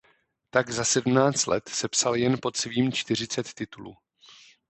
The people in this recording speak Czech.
Tak za sedmnáct let sepsal jen pod svým čtyřicet titulů.